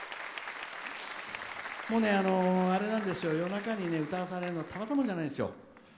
もうね、夜中に歌わされるのはたまったもんじゃないんですよ。